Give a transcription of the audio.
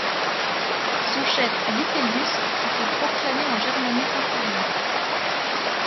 Son chef Vitellius se fait proclamer en Germanie inférieure.